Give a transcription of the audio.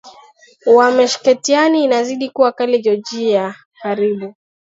wa Meskhetian linazidi kuwa kali Georgia karibu